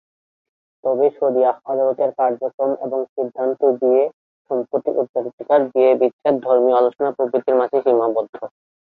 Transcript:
তবে শরিয়াহ আদালতের কার্যক্রম এবং সিদ্ধান্ত বিয়ে, সম্পত্তির উত্তরাধিকার, বিয়ে বিচ্ছেদ, ধর্মীয় আলোচনা প্রভৃতির মাঝেই সীমাবদ্ধ।